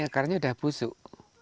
akarnya sudah busuk